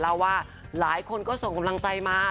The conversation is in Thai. เล่าว่าหลายคนก็ส่งกำลังใจมา